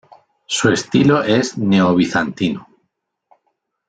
Su estilo es neobizantino.